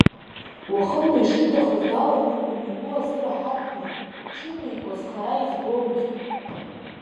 Уахынла ишиҭахыз даланыҟәон игәы азыраҳаҭны, ҽынла игәазхара избомызт…